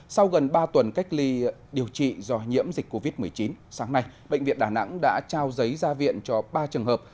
sau gần ba tuần cách ly điều trị do nhiễm dịch covid một mươi chín sáng nay bệnh viện đà nẵng đã trao giấy ra viện cho ba trường hợp